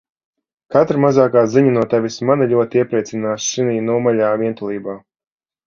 Katra mazākā ziņa no Tevis mani ļoti iepriecinās šinī nomaļā vientulībā.